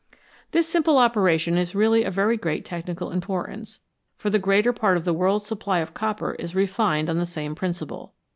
This simple operation is really of very great technical importance, for the greater part of the world's supply of copper is refined on the same principle.